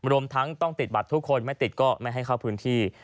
รวมทั้งต้องติดบัตรทุกคนไม่ติดก็ไม่ให้เข้าพื้นที่